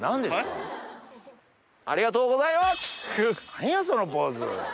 何やそのポーズ！